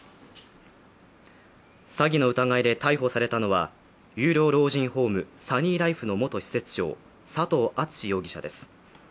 詐欺の疑いで逮捕されたのは有料老人ホーム、サニーライフの元施設長、佐藤篤容疑者です。